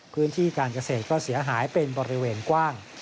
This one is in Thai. พื้นที่การเกษตรก็เสียหายเป็นบริเวณกว้าง